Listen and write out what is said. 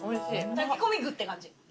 炊き込み具って感じ。